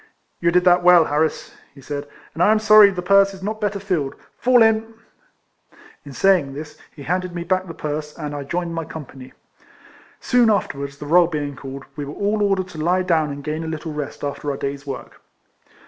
"You did that well, Harris," he said, "and I am sorry the purse is not better filled. Fall in." In saying this, he handed me back the purse, and I joined my com pany. Soon afterwards, the roll being called, we were all ordered to lie down and gain a little rest after our day's work.